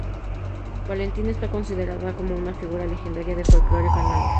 Valentina está considerada como una figura legendaria del folclore canario.